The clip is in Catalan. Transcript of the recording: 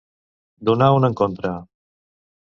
Donar un encontre.